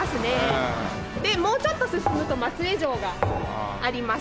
でもうちょっと進むと松江城があります。